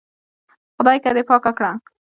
خدايکه دې پاکه کړه.